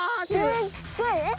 すっごいえ！？